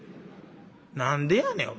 何でやねん。